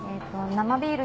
生ビール。